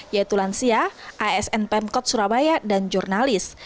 yaitu lansia asn pemkot surabaya dan jurnalis